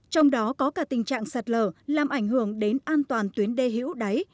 trong đó có cả tình trạng sạt lở làm ảnh hưởng đến an toàn tuyến đê hữu đáy